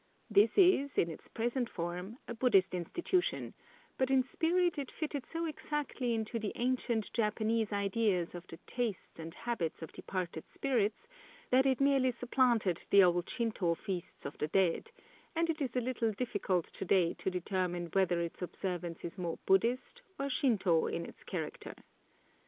This is, in its present form, a Buddhist institution, but in spirit it fitted so exactly into the ancient Japanese ideas of the tastes and habits of departed spirits that it merely supplanted the old Shintō feasts of the dead, and it is a little difficult to day to determine whether its observance is more Buddhist or Shintō in its character.